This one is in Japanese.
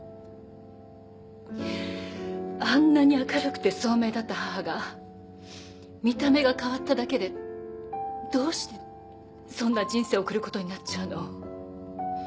あんなに明るくて聡明だった母が見た目が変わっただけでどうしてそんな人生送ることになっちゃうの？